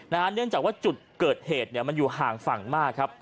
เนื่องจากว่าจุดเกิดเหตุมันอยู่ห่างฝั่งมากครับ